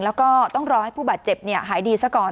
แล้วก็ต้องรอให้ผู้บาดเจ็บหายดีซะก่อน